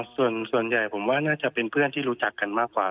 ส่วนใหญ่ผมว่าน่าจะเป็นเพื่อนที่รู้จักกันมากกว่า